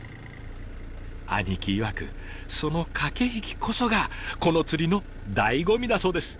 兄貴いわくその駆け引きこそがこの釣りの醍醐味だそうです。